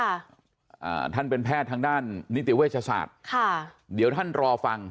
อ่าท่านเป็นแพทย์ทางด้านนิติเวชศาสตร์ค่ะเดี๋ยวท่านรอฟัง